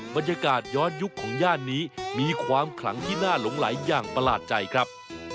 บรรยากาศย้อนยุคของย่านนี้มีความขลังที่น่าหลงไหลอย่างประหลาดใจครับ